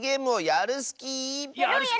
やるスキー！